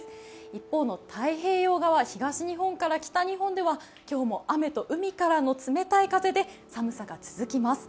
一方の太平洋側、東日本から北日本では今日も雨と海からの冷たい風で寒さが続きます。